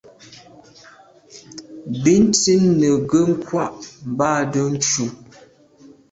Bín tsín nə̀ ngə́ kwâ’ mbâdə́ cú.